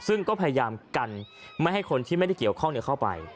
ซึ่งก็พยายามกันไม่ให้คนที่ไม่ได้เกี่ยวข้องเข้าไป